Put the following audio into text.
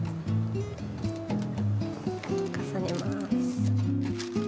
重ねます。